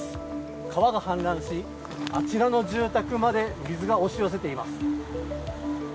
川が氾濫し、あちらの住宅まで水が押し寄せています。